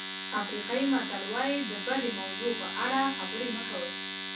افریقایي متل وایي د بدې موضوع په اړه خبرې مه کوئ.